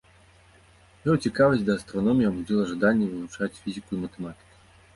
Яго цікавасць да астраноміі абудзіла жаданне вывучаць фізіку і матэматыку.